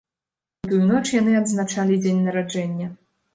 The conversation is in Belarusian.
У тую ноч яны адзначалі дзень нараджэння.